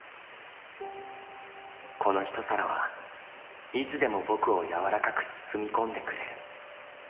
「この一皿はいつでも僕をやわらかく包み込んでくれる」。